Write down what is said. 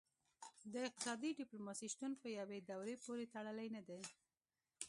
د اقتصادي ډیپلوماسي شتون په یوې دورې پورې تړلی نه دی